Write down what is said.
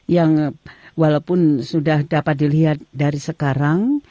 yang walaupun sudah dapat dilihat dari sekarang